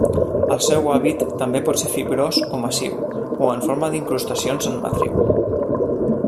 El seu hàbit també pot ser fibrós o massiu, o en forma d'incrustacions en matriu.